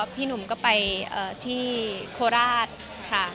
พี่หนุ่มก็ไปที่โคราชค่ะ